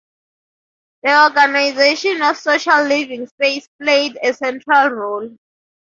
The organisation of social living space played a central role.